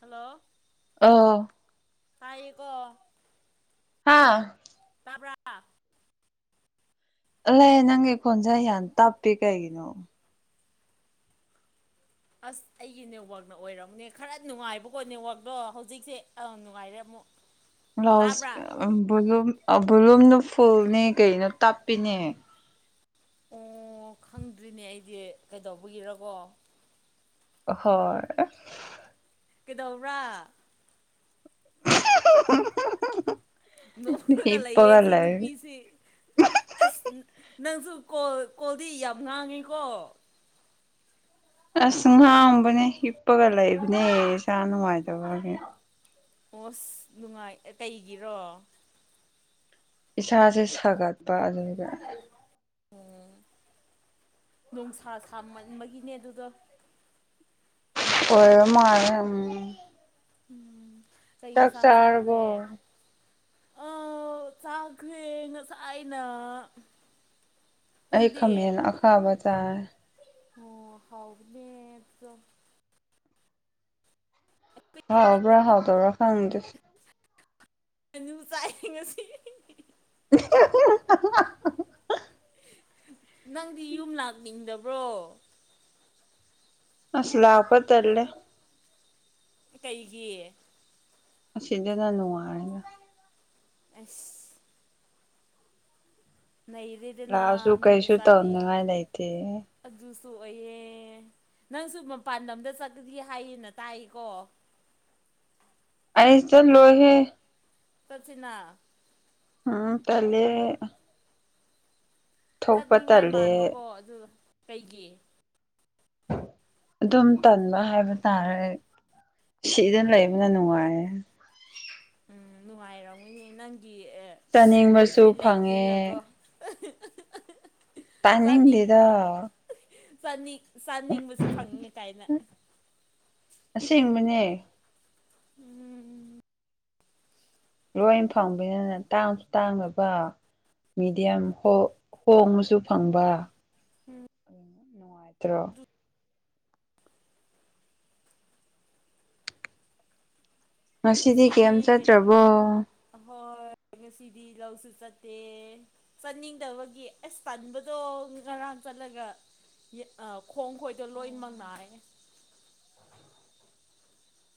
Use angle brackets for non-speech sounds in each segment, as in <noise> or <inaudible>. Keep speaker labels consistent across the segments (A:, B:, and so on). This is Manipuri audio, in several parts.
A: ꯍꯜꯂꯣ
B: ꯑ
A: ꯄꯀ
B: ꯍꯥꯥ
A: ꯇꯕ꯭ꯔ
B: ꯂꯩ ꯅꯪꯒꯤ ꯈꯣꯟꯁꯥ ꯍꯥꯟ ꯇꯞꯄꯤ ꯀꯩꯒꯤꯅꯣ
A: ꯑꯁ ꯑꯩꯒꯤ ꯅꯦꯠꯋꯥꯛꯅ ꯑꯣꯏꯔꯝꯅꯦ ꯈꯔ ꯅꯨꯡꯉꯥꯏꯕꯀꯣ ꯅꯦꯠꯋꯥꯛꯇꯣ ꯍꯧꯖꯤꯛꯁꯦ ꯅꯨꯡꯉꯥꯏꯔꯦ ꯑꯃꯨꯛ ꯇꯥꯕ꯭ꯔꯥ
B: ꯍꯥꯎꯁ ꯚꯂꯨꯝꯗ ꯐꯨꯜꯅꯦ ꯀꯩꯅꯣ ꯇꯞꯄꯤꯅꯦ
A: ꯑꯣ ꯈꯪꯗ꯭ꯔꯤꯅꯦ ꯑꯩꯗꯤ ꯀꯩꯗꯧꯕꯒꯤꯔꯀꯣ
B: ꯍꯣꯏ
A: ꯀꯩꯗꯧꯕ꯭ꯔꯥ ꯅꯣꯛꯔꯒ ꯂꯩꯌꯦ
B: ꯍꯤꯞꯄꯒ
A: ꯁꯤ
B: ꯂꯩ
A: ꯅꯨꯄꯤꯁꯤ ꯑꯁ ꯅꯪꯁꯨ ꯀꯣ ꯀꯣꯜꯗꯤ ꯌꯥꯝ ꯉꯥꯡꯉꯤꯀꯣ
B: ꯑꯁ ꯉꯥꯡꯝꯕꯅꯦ ꯍꯤꯞꯄꯒ ꯂꯩꯕꯅꯦ ꯏꯁꯥ ꯅꯨꯡꯉꯥꯏꯇꯕꯒꯤ
A: ꯑꯣꯁ ꯅꯨꯡꯉꯥꯏ ꯀꯩꯒꯤꯔꯣ
B: ꯏꯁꯥꯁꯦ ꯁꯥꯒꯠꯄ ꯑꯗꯨꯒꯒ
A: ꯎꯝ ꯅꯣꯡꯁꯥ ꯁꯥꯃꯟꯕꯒꯤꯅꯦ ꯑꯗꯨꯗꯣ
B: ꯑꯣꯏꯔ ꯃꯥꯔ ꯎꯝ
A: ꯎꯝ
B: ꯗꯥꯛ ꯆ ꯑꯕꯣ
A: ꯑ ꯆꯈ꯭ꯔꯦ ꯉꯁꯥꯏꯅ
B: ꯑꯩ ꯈ
A: ꯅꯪꯗꯤ
B: ꯃꯦꯟ ꯑꯈꯥ ꯑꯕ ꯆ
A: ꯑꯣ ꯍꯥꯎꯅꯦ
B: ꯍꯥꯎ ꯄꯨꯥ ꯍꯥꯥꯎꯗꯔ ꯈꯪꯗ
A: ꯃꯨ ꯆꯥꯏ ꯉꯁꯤ
B: <unintelligible> <inaudible>
A: ꯅꯪꯗꯤ ꯌꯨꯝ ꯂꯥꯛꯅꯤꯡꯗꯕ꯭ꯔꯣ
B: ꯑꯁ ꯂꯥꯛꯥꯎꯄ ꯇꯔꯂꯦ
A: ꯀꯩꯒꯤ
B: ꯑ ꯁꯤꯗ ꯅꯅ ꯋꯥꯅꯤꯒ
A: ꯑꯁ ꯅꯩꯔꯦꯗꯅ
B: ꯂꯥꯛꯁꯨ
A: ꯃꯤ
B: ꯀꯩꯁꯨ ꯇꯧꯅꯤꯉꯥꯏ ꯂꯩꯇꯦ
A: ꯁꯣꯛꯑꯌꯦꯦ ꯅꯪꯁꯨ ꯃꯄꯥꯟ ꯂꯝꯗ ꯆꯠꯀꯗꯤ ꯍꯥꯏꯌꯦꯅ ꯇꯥꯏꯀꯣ
B: ꯑꯩ ꯆ ꯂꯣꯏ ꯍꯦ
A: ꯀꯁꯤꯅꯥ
B: ꯎꯝ ꯇꯂꯦ
A: ꯆꯠꯅꯤꯡꯉꯥꯏ ꯃꯥꯟꯕꯀꯣ ꯑꯗꯨ ꯀꯩꯒꯤ
B: ꯑꯗꯨꯝ ꯇꯟꯕ ꯍꯥꯏꯕ ꯇꯥꯔꯦ ꯁꯤꯗꯅ ꯂꯩꯕꯅ ꯅꯨꯡꯉꯥꯏ
A: ꯎꯝ ꯅꯨꯡꯉꯥꯏꯔꯣ ꯅꯪ ꯒꯤ ꯕꯣꯏ
B: ꯆꯥꯅꯤꯡꯕꯁꯨ
A: ꯐ꯭ꯔꯦꯟ
B: ꯐꯪꯉꯦ
A: ꯂꯩꯕꯅꯤꯅꯀꯣ
B: ꯇꯅꯤꯗꯤꯗꯣ
A: ꯆꯅꯤꯡ ꯆꯥꯅꯤꯡꯕꯁꯨ ꯐꯪꯉꯦ ꯀꯥꯏꯅ
B: ꯑꯁꯦꯡꯕꯅꯦ
A: ꯎꯝ
B: ꯂꯣꯏ ꯐꯪꯕꯅꯤꯅꯅꯦ ꯇꯥꯡꯁꯨ ꯇꯥꯡꯉꯕ ꯃꯤꯦꯗꯤꯌꯝ ꯍꯣꯡꯉꯁꯨ
A: ꯎꯝ
B: ꯐꯪꯕꯅꯨꯡꯉꯥꯏ ꯀꯇ꯭ꯔꯣ ꯉꯁꯤꯗꯤ
A: ꯔꯁꯤꯗꯤ
B: ꯀꯩꯝ
A: ꯀ
B: ꯆꯠꯇ꯭ꯔꯕꯣ
A: ꯍ ꯔꯁꯤꯗꯤ ꯗꯤ ꯂꯧꯁꯨ ꯆꯠꯇꯦ ꯆꯠꯅꯤꯡꯗꯕꯒꯤ ꯑꯁ ꯆꯥꯅꯤꯡꯕꯗꯣ ꯉꯔꯥꯡ ꯆꯠꯂꯒ ꯑ ꯈꯣꯡ ꯈꯣꯏꯗꯣ ꯂꯣꯏꯅꯃꯛ ꯅꯥꯏ
B: <unintelligible> <inaudible>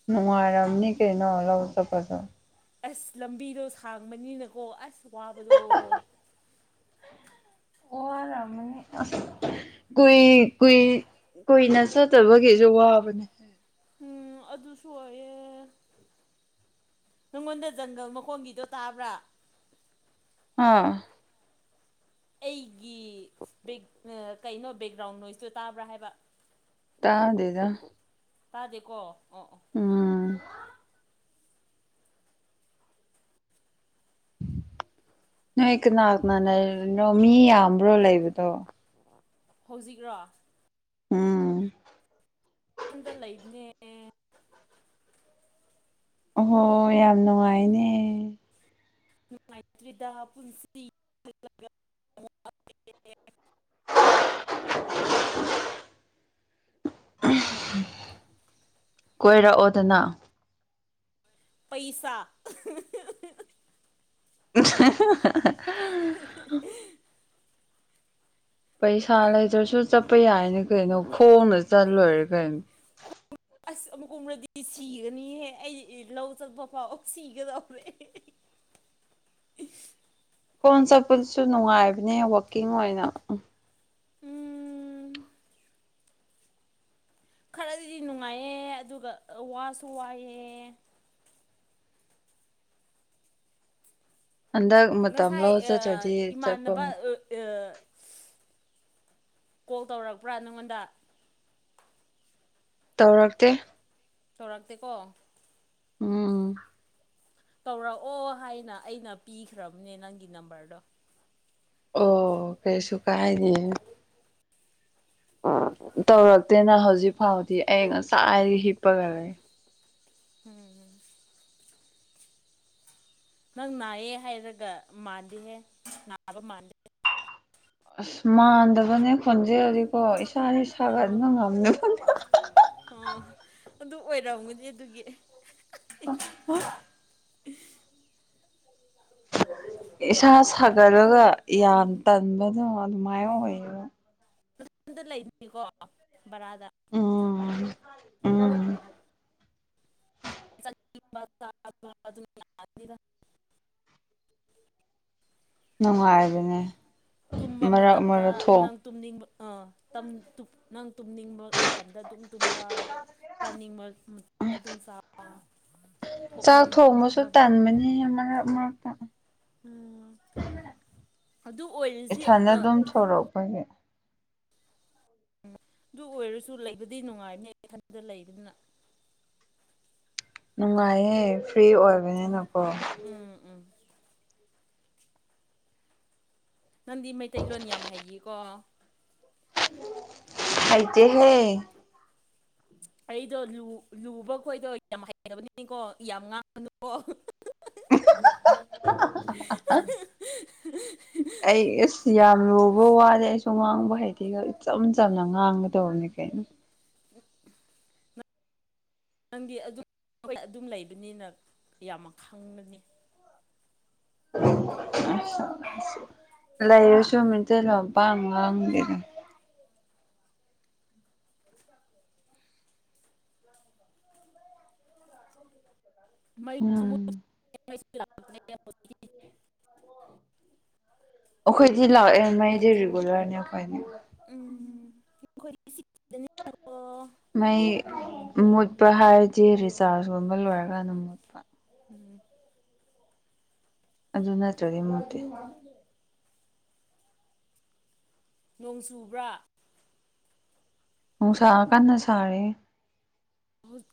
B: ꯅꯨꯡꯉꯥꯏꯔꯝꯅꯤ ꯀꯩꯅꯂ ꯆꯄꯁꯨ
A: ꯑꯁ ꯂꯝꯕꯤꯗꯣ ꯁꯥꯡꯕꯅꯤꯅꯀꯣ ꯑꯁ ꯋꯥꯕꯗꯣ
B: ꯑꯣ ꯑꯔꯅꯤ ꯀꯣꯏ ꯀꯣꯏ ꯀꯨꯏꯅ ꯆꯠꯇꯕꯒꯤꯁꯨ ꯋꯥꯕꯅꯦ
A: ꯎꯝ ꯑꯗꯨꯁꯨ ꯑꯣꯏꯌꯦꯦ ꯅꯪꯉꯣꯟꯗ ꯖꯪꯒꯜ ꯃꯈꯣꯟꯒꯤꯗꯣ ꯇꯥꯕ꯭ꯔꯥ
B: ꯑꯥ
A: ꯑꯩꯒꯤ ꯕ ꯀꯩꯅꯣ ꯕꯦꯛꯒ꯭ꯔꯥꯎꯟ ꯅꯣꯏꯁꯇꯣ ꯇꯥꯕ꯭ꯔꯥ ꯍꯥꯏꯕ
B: ꯇꯥꯗꯦꯗ
A: ꯇꯥꯗꯦꯀꯣ ꯑꯣ ꯑꯣ
B: ꯎꯝ ꯅꯣꯏ ꯀꯅꯥꯅꯥꯅꯣ ꯃꯤ ꯌꯥꯝꯕ꯭ꯔꯣ ꯂꯩꯕꯗꯣ
A: ꯍꯧꯖꯤꯛꯔꯣ
B: ꯑꯝ
A: ꯋꯥꯝꯗ ꯂꯩꯅꯦ
B: ꯍꯣ ꯌꯥꯝ ꯅꯨꯡꯉꯥꯏꯅꯦ
A: ꯅꯨꯡꯉꯥꯏꯇ꯭ꯔꯤꯗ ꯄꯨꯟꯁꯤ
B: ꯀꯣꯏꯔꯛꯑꯣꯗꯅ
A: ꯄꯩꯁꯥ
B: <inaudible> ꯄꯩꯁꯥ ꯂꯩꯗ꯭ꯔꯁꯨ ꯆꯠꯄ ꯌꯥꯏꯅ ꯀꯩꯅꯣ ꯈꯣꯡꯅ ꯆꯠꯂꯣꯏꯔꯦ ꯀꯩꯅꯣ
A: ꯑꯁ ꯑꯃꯨꯛꯀꯨꯝꯔꯗꯤ ꯁꯤꯒꯅꯤꯍꯦ ꯑꯩ ꯂꯧ ꯆꯠꯄ ꯄꯥꯎ ꯁꯤꯒꯗꯧꯔꯦ
B: <inaudible> ꯐꯣꯟ ꯆꯠꯄꯗꯨꯁꯨ ꯅꯨꯡꯉꯥꯏꯕꯅꯦ ꯋꯀꯤꯡ ꯑꯣꯏꯅꯝ
A: ꯎꯝ ꯈꯔꯗꯤꯗꯤ ꯅꯨꯡꯉꯥꯏꯌꯦ ꯑꯗꯨꯒ ꯋꯥꯁꯨ ꯋꯥꯏꯑꯦ
B: ꯍꯟꯗꯛ ꯃꯇꯝ
A: ꯉꯁꯥꯏ
B: ꯂꯧ ꯆꯠꯇ꯭ꯔꯗꯤ ꯆꯠꯄ
A: ꯏꯃꯥꯟꯅꯕ ꯀꯣꯜ ꯇꯧꯔꯛꯄ꯭ꯔꯥ ꯅꯪꯉꯣꯟꯗ
B: ꯇꯧꯔꯛꯇꯦ
A: ꯆꯧꯣꯔꯥꯛꯇ ꯀꯣ
B: ꯎꯝ
A: ꯀꯧꯔꯛꯑꯣ ꯍꯥꯏꯅ ꯑꯩꯅ ꯄꯤꯈ꯭ꯔꯕꯅꯦ ꯅꯪꯒꯤ ꯅꯝꯕꯔꯗꯣ
B: ꯑꯣ ꯀꯩꯁꯨ ꯀꯥꯏꯅꯦ ꯇꯧꯔꯛꯇꯦꯅ ꯍꯧꯖꯤꯛ ꯐꯥꯎꯗꯤ ꯑ ꯉꯁꯥꯏꯒ ꯍꯤꯞꯄ ꯈ ꯂꯩꯦ
A: ꯎꯝꯝ ꯅꯪ ꯅꯥꯏꯌꯦꯦ ꯍꯥꯏꯔꯒ ꯃꯥꯟꯗꯦꯍꯦ ꯅꯥꯕ ꯃꯥꯟꯗꯦ
B: ꯑꯁ ꯃꯥꯟꯗꯕꯅꯦ ꯈꯣꯟꯖꯦꯜꯔꯗꯤꯀꯣ ꯏꯁꯥꯥꯁ ꯏꯁꯕ
A: ꯑꯥ
B: ꯑꯗꯨꯅ ꯉꯝꯃꯦꯕ
A: ꯑꯣ ꯑꯗꯨ ꯑꯣꯏꯔꯝꯃꯗꯤ ꯑꯗꯨꯒꯤ
B: <unintelligible> <inaudible> ꯏꯁꯥ ꯁꯥꯒꯠꯂꯒ ꯌꯥꯝ ꯇꯟꯕꯗꯣ ꯑꯗꯨꯃꯥꯏꯅ ꯑꯣꯏꯌꯦꯕ
A: ꯂꯩꯅꯤꯀꯣ ꯕꯔꯥ
B: ꯎꯝ ꯎꯝ
A: <inaudible>
B: ꯅꯨꯡꯉꯥꯏꯗꯅꯦ
A: ꯇꯨꯝꯕ ꯃꯇꯝꯗ ꯅꯪ ꯇꯨꯝꯅꯤꯡꯕ ꯅꯪ ꯇꯨꯝꯅꯤꯡꯕ ꯃꯇꯝꯗ ꯑꯗꯨꯝ ꯇꯨꯝꯕ ꯆꯥꯅꯤꯡꯕ ꯑꯗꯨꯝ ꯆꯥꯕ
B: ꯆꯥꯛ ꯊꯣꯡꯕꯁꯨ ꯇꯟꯕꯅꯤ ꯃꯔꯛ ꯃꯔ
A: ꯎꯝ ꯑꯗꯨ ꯑꯣꯏꯜꯁꯤ
B: ꯏꯊꯟꯗ ꯑꯗꯨꯝ ꯊꯣꯔꯛꯄꯒꯤ
A: ꯎꯝ ꯑꯗꯨ ꯑꯣꯏꯔꯁꯨ ꯂꯩꯕꯗꯤ ꯅꯨꯡꯉꯥꯏꯕꯅꯦ ꯏꯊꯟꯗ ꯂꯩꯕꯗꯅ
B: ꯅꯨꯡꯉꯥꯏꯌꯦꯦ ꯐ꯭ꯔꯤ
A: ꯎꯝ
B: ꯑꯣꯏꯕꯅꯤꯅꯀꯣ
A: ꯎꯝ ꯎꯝ ꯅꯪꯗꯤ ꯃꯩꯇꯩꯂꯣꯟ ꯌꯥꯝ ꯍꯩꯌꯦꯀꯣ
B: ꯍꯥꯏꯗꯤ ꯍꯦ
A: ꯑꯩꯗꯣ ꯂꯨꯕ ꯈꯣꯏꯗꯣ ꯌꯥꯝ ꯍꯩꯅꯅꯕꯅꯤꯅꯦꯀꯣ ꯌꯥꯝ ꯉꯥꯡꯉꯅꯨꯀꯣ
B: <inaudible> ꯑꯩ ꯋꯥ ꯍꯥꯏꯩꯗꯤꯒ ꯏꯆꯝ ꯆꯝꯅ ꯉꯥꯡꯒꯗꯧꯕꯅꯦ ꯀꯩꯅꯣ
A: ꯅꯪꯗꯤ ꯑꯗꯨꯝ ꯑꯗꯨꯝ ꯂꯩꯕꯅꯤꯅ ꯌꯥꯝꯅ ꯈꯪꯒꯅꯤ
B: ꯑꯁ ꯂꯩꯥꯏꯔ ꯆꯃꯤꯇꯂꯣꯄꯉꯪꯕꯤꯔ ꯎꯝ
A: <inaudible>
B: ꯑꯩꯈꯣꯏꯗꯤ ꯂꯥꯛꯑꯦ ꯃꯩꯗꯤ ꯔꯤꯒꯨꯂꯔꯅꯦ ꯑꯩꯈꯣꯏꯅꯤ
A: ꯑꯈꯣꯏ ꯁꯤꯗ ꯀꯣ
B: ꯃꯩ ꯃꯨꯠꯄ ꯍꯥꯏꯔꯗꯤ ꯔꯤꯆꯥꯔꯖꯀꯨꯝꯕ ꯂꯣꯏꯔꯀꯥꯟꯗ ꯃꯨꯠꯄ ꯑꯗꯨ ꯅꯠꯇ꯭ꯔꯒ ꯃꯨꯠꯇꯤ
A: ꯅꯣꯡ ꯆꯨꯕ꯭ꯔꯥ
B: ꯍ ꯁꯥ ꯀꯟꯅ ꯁꯥꯔꯦ
A: ꯍꯧꯖꯤꯛ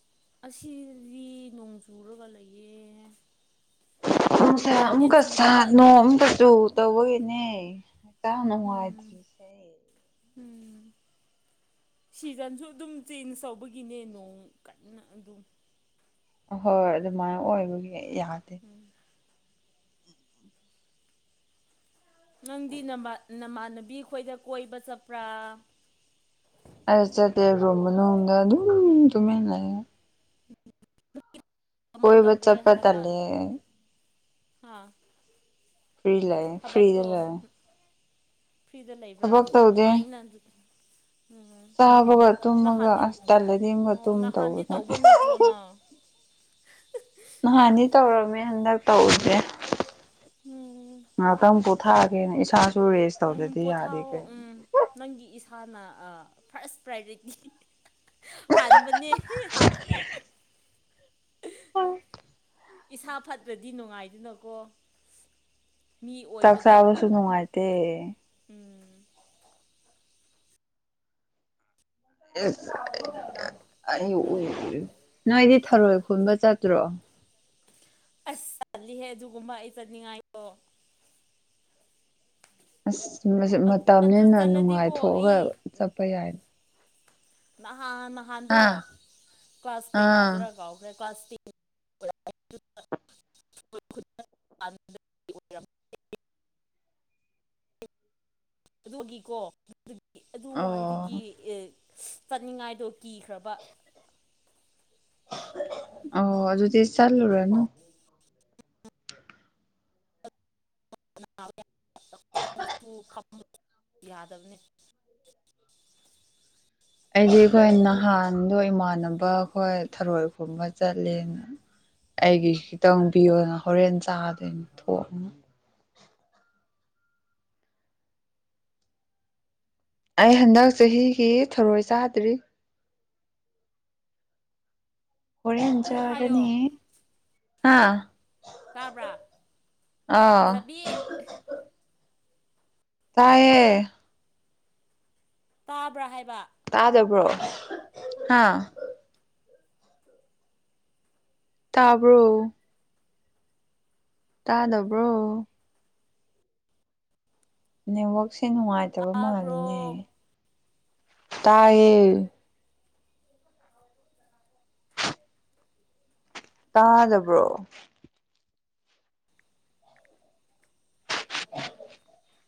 A: ꯑꯁꯤꯗꯤ ꯅꯣꯡ ꯆꯨꯔꯒ ꯂꯩꯌꯦ
B: ꯑ
A: ꯌꯥꯝꯗꯤ
B: ꯑꯃꯨꯛꯀ
A: ꯆꯨꯗꯕ
B: ꯁꯥꯠꯅꯣ
A: ꯑꯗꯨꯕꯨ
B: ꯑꯃꯨꯛꯀ ꯆ ꯇꯧꯕꯒꯤꯅꯦ
A: ꯎꯝ
B: ꯀꯅꯅꯨꯡꯉꯥꯏꯗꯔꯤꯁꯦ
A: ꯎꯝ ꯁꯤꯖꯟꯁꯨ ꯑꯗꯨꯝ ꯆꯦꯟꯖ ꯇꯧꯕꯒꯤꯅꯦ ꯅꯣꯡ ꯀꯟꯅ ꯑꯗꯨꯝ
B: ꯍꯣꯏ ꯑꯗꯨꯃꯥꯏꯅ ꯑꯣꯏꯕꯒꯤ ꯌꯥꯗꯦ
A: ꯅꯪꯗꯤ ꯅꯃꯥꯟꯅꯕꯤ ꯈꯣꯏꯗ ꯀꯣꯏꯕ ꯆꯠꯄ꯭ꯔꯥ
B: ꯔꯣꯃꯅꯗ ꯑꯗꯨꯝ ꯇꯃꯤ ꯂꯩꯦ ꯀꯣꯏ
A: ꯀꯃꯥꯏꯅ
B: ꯕꯆꯥ
A: ꯇꯧꯔꯦ
B: ꯄꯇꯥ
A: ꯍꯟꯗꯛꯀꯥꯟ
B: ꯅ
A: ꯍꯥ
B: ꯐꯔꯤ ꯂꯌꯦ ꯐꯔꯤꯗ
A: ꯊꯕꯛꯇꯣ
B: ꯂ
A: ꯐ꯭ꯔꯤꯗ ꯂꯩꯕ꯭ꯔꯥ ꯅꯨꯡꯉꯥꯏꯅ ꯎꯝ
B: ꯆꯥꯕꯒ ꯇꯨꯝꯃꯒ
A: ꯅꯍꯥꯟꯗꯤ
B: ꯑꯁ ꯇꯜꯂꯗꯤ ꯑꯃꯒ
A: ꯑꯣ
B: ꯇꯨꯝ
A: ꯅꯍꯥꯟꯗꯤ
B: ꯇꯧꯕꯅ
A: ꯇꯧꯕ ꯅꯠꯇ꯭ꯔꯣ ꯅꯪ <inaudible>
B: ꯅꯍꯥꯟꯅꯤ ꯇꯧꯔꯝꯃꯦ ꯍꯟꯗꯛ ꯇꯧꯁꯦ
A: ꯎꯝ
B: ꯉꯥꯛꯇ ꯊꯥꯒꯦꯅꯦ ꯏꯁꯥ
A: ꯎꯝ ꯄꯣꯊꯥꯎꯝ ꯅꯪꯒꯤ ꯏꯁꯥꯅ ꯐꯥꯔꯁ ꯄ꯭ꯔꯥꯏꯌꯣꯔꯤꯇꯤ ꯍꯥꯟ ꯃꯅꯤ
B: ꯎ
A: ꯏꯁꯥ ꯐꯠꯇ꯭ꯔꯗꯤ ꯅꯨꯡꯉꯥꯏꯗꯨꯅꯀꯣ
B: ꯆꯥꯛꯁꯥꯕꯁꯨ ꯅꯅꯨꯡꯃꯥꯏꯇꯦ
A: ꯎꯝ
B: ꯑꯩ ꯅꯣꯏꯗꯤ ꯊꯔꯣꯏ ꯈꯨꯟꯕ ꯆꯠꯇ꯭ꯔꯣ
A: ꯑꯁ ꯆꯠꯂꯤꯍꯦ ꯑꯗꯨꯒꯨꯝꯕ ꯑꯩ ꯆꯠꯅꯤꯡꯉꯥꯏꯗꯣ
B: ꯑꯁ ꯃꯇꯝ
A: ꯑꯗꯨ
B: ꯍꯦꯟꯅ
A: ꯆꯠꯂꯗꯤꯀꯣ ꯑꯩ
B: ꯅꯨꯡꯉꯥꯏꯊꯣꯛꯑꯒ ꯆꯠꯄ ꯌꯥꯏꯅꯦ
A: ꯅꯍꯥꯟ ꯅꯍꯥꯟꯗꯣ
B: ꯑꯥ
A: ꯀ꯭ꯂꯥꯁ
B: ꯑꯥ
A: ꯀꯌꯥꯗ꯭ꯔꯥ ꯀꯥꯎꯈ꯭ꯔꯦ ꯀ꯭ꯂꯥꯁ ꯇꯦꯟ
B: <inaudible>
A: <unintelligible> ꯑꯗꯨꯒꯤꯀꯣ ꯑꯗꯨ
B: ꯑꯣ
A: ꯑꯗꯨꯋꯥꯏꯗꯒꯤ ꯆꯠꯅꯤꯡꯉꯥꯏꯗꯣ ꯀꯤꯈ꯭ꯔꯕ
B: ꯑꯣ ꯑꯗꯨꯗꯤ ꯆꯠꯂ ꯔꯅ
A: ꯈꯣꯡꯁꯨ ꯐ ꯌꯥꯗꯕꯅꯤ
B: <inaudible> ꯑꯩꯗꯤ ꯑꯩꯈꯣꯏ ꯅꯍꯥꯟꯗꯣ ꯏꯃꯥꯟꯅꯕ ꯑꯩꯈꯣꯏ ꯊꯔꯣꯏ ꯈꯨꯝꯕ ꯆꯠꯂꯦꯅ ꯑꯩꯒꯤ ꯈꯤꯇꯪ ꯄꯤꯌꯣꯅ ꯍꯣꯔꯦꯟ ꯆꯥꯗꯣꯏꯅꯦ ꯊꯣꯛꯑꯅ ꯑꯩ ꯍꯟꯗꯛ ꯆꯍꯤꯒꯤ ꯊꯣꯔꯣꯏ ꯆꯥꯗ꯭ꯔꯤ ꯍꯔꯆꯥ
A: ꯑꯃꯨꯛ
B: ꯑꯔꯅꯤ
A: ꯍꯥꯏꯌꯣ
B: ꯍꯥꯥ
A: ꯇꯥꯕ꯭ꯔꯥ ꯆꯕꯤ
B: ꯇꯥꯏꯌꯦꯦ
A: ꯇꯥꯕ꯭ꯔꯥꯍꯤꯦ
B: ꯇꯥꯗꯕ꯭ꯔꯣ ꯍꯥꯥ ꯇꯥꯕ꯭ꯔꯣ ꯇꯥꯗꯕ꯭ꯔꯣ ꯅꯦꯠꯋꯛꯁꯦ ꯅꯨꯡꯉꯥꯏꯇꯕ
A: ꯇꯥꯕ꯭ꯔꯣ
B: ꯃꯥꯜꯂꯤꯅꯦ ꯇꯌꯦꯦ ꯇꯥꯖꯕ꯭ꯔꯣ <unintelligible>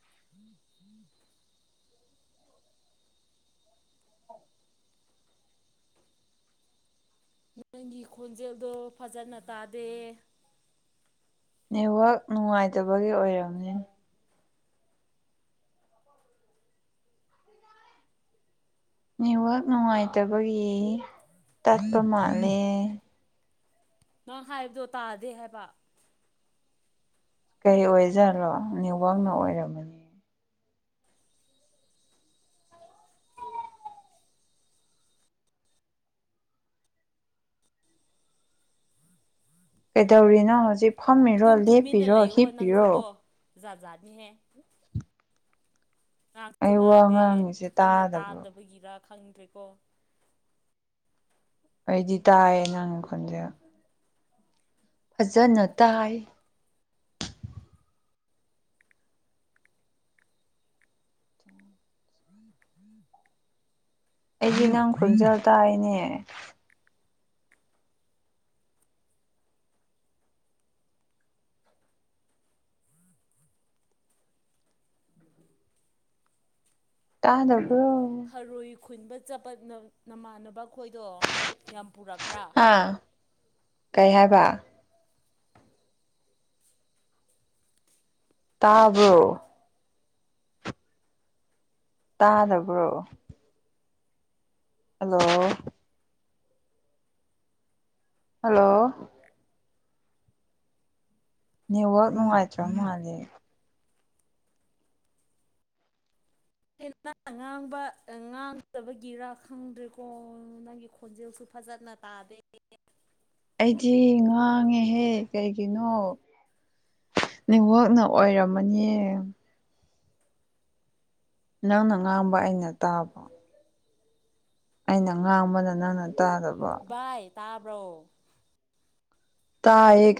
A: ꯅꯪꯒꯤ ꯈꯣꯟꯖꯦꯜꯗꯣ ꯐꯖꯅ ꯇꯥꯗꯦ
B: ꯅꯦꯠꯋꯥꯛ ꯅꯨꯡꯉꯥꯏꯇꯕꯒꯤ ꯑꯣꯏꯔꯝꯅꯤ ꯅꯦꯠꯋꯥꯛ ꯅꯨꯡꯉꯥꯏꯇꯕꯒꯤ ꯇꯠꯄ ꯃꯥꯜꯂꯦ
A: ꯅꯪ ꯍꯥꯏꯕꯗꯣ ꯇꯥꯗꯦ ꯍꯥꯏꯕ
B: ꯀꯩ ꯑꯣꯏꯖꯔꯣ ꯅꯤꯡꯋꯡꯅ ꯑꯣꯏꯔꯕꯅꯤ ꯀꯩꯗꯧꯔꯤꯅꯣ ꯍꯧꯖꯤꯛ ꯐꯝꯃꯤꯔꯣ
A: ꯑꯗꯨꯝ
B: ꯂꯦꯞꯄꯤꯔꯣ ꯍꯤꯞꯄꯤꯔꯣ
A: ꯖꯥꯖꯥꯅꯤ ꯍ ꯉꯥꯡꯁꯨ
B: ꯑꯩ ꯋꯥ
A: ꯉꯥꯡꯗꯦ
B: ꯉꯥꯡꯉꯤꯁꯦ
A: ꯑꯩꯅ
B: ꯇꯥꯗꯕ꯭ꯔꯣ
A: ꯇꯥꯗꯕꯒꯤꯔ ꯈꯪꯗ꯭ꯔꯦꯀꯣ
B: ꯑꯩꯗꯤ ꯇꯥꯏꯌꯦ ꯅꯪꯈꯣꯟꯁꯦ ꯐꯖꯅ ꯇꯥꯏ ꯑꯩꯒꯤ ꯅꯪ ꯈꯣꯟꯖꯦꯜ ꯇꯥꯏꯅꯦ ꯇꯥꯗꯝ
A: ꯈꯔꯣꯏ ꯈꯨꯟꯕ ꯆꯠꯄ ꯅꯃꯥꯟꯅꯕ ꯑꯩꯈꯣꯏꯗꯣ ꯌꯥꯝ ꯄꯨꯔꯛꯄ꯭ꯔꯥ
B: ꯍꯥ ꯀꯩ ꯍꯥꯏꯕ ꯇꯥꯕꯣ ꯇꯥꯗꯕ꯭ꯔꯣ ꯍꯜꯂꯣ ꯍꯜꯂꯣ ꯅꯦꯠꯋꯥꯛ ꯅꯨꯡꯉꯥꯏꯇ꯭ꯔꯣ ꯃꯥꯉꯂꯦ
A: ꯍ ꯅꯪ ꯉꯥꯡꯕ ꯉꯥꯡꯗꯕꯒꯤꯔꯥ ꯈꯪꯗ꯭ꯔꯦꯀꯣ ꯅꯪꯒꯤ ꯈꯣꯟꯖꯦꯜꯁꯨ ꯐꯖꯅ ꯇꯥꯗ
B: ꯑꯩꯗꯤ ꯉꯥꯡꯉꯦꯍꯦ ꯀꯩꯒꯤꯅꯣ ꯋꯥꯛꯅ ꯑꯣꯏꯔꯝꯃꯅꯦ ꯅꯪꯅ ꯉꯥꯡꯕ ꯑꯩꯅ ꯇꯥꯕ ꯑꯩꯅ ꯉꯥꯡꯕꯗ ꯅꯪꯟꯅ ꯇꯥꯗꯕ
A: ꯚꯥꯏ ꯇꯥꯕ꯭ꯔꯣ
B: ꯇꯥ ꯍ ꯀꯩ